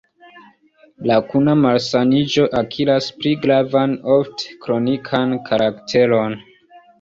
La kuna malsaniĝo akiras pli gravan, ofte kronikan karakteron.